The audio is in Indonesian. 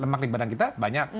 lemak di badan kita banyak